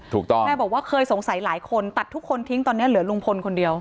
แม่บอกว่าเคยสงสัยหลายคนตัดทุกคนทิ้งตอนนี้เหลือลุงพลคนเดียว